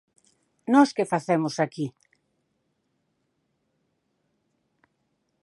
¿Nós que facemos aquí?